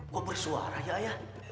kok bersuara ya ya